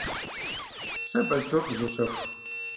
Сэ балътор къызощэху.